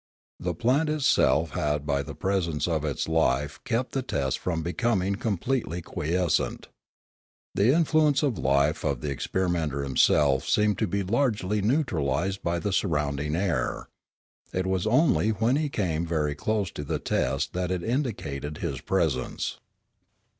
The plant itself had by the presence of its life kept the test from becoming com pletely quiescent. The influence of the life of the ex perimenter himself seemed to be largely neutralised by the surrounding air; it was only when he came very close to the test that it indicated his presence.